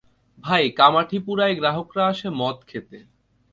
ভাই, কামাঠিপুরায় গ্রাহকরা আসে মদ খেয়ে।